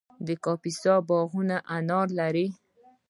د کاپیسا باغونه انار لري.